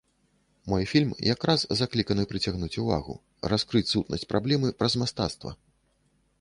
Мой фільм як раз закліканы прыцягнуць увагу, раскрыць сутнасць праблемы праз мастацтва.